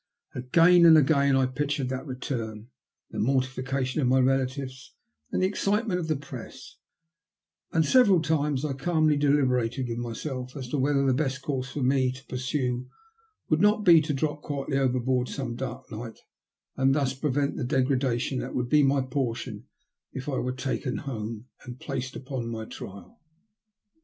Again and again I pictured that return, the morti fication of my relatives, and the excitement of the Press; and several times I calmly deliberated with myself as to whether the best course for me to pursue would not be to drop quietly overboard some dark night, and thus prevent the degradation that would be my portion if I were taken home and placed upon my trial.